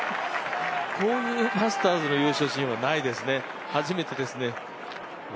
こういうマスターズの優勝シーンはないですね、初めてですね。